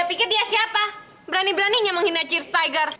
saya pikir dia siapa berani beraninya menghina cheers tiger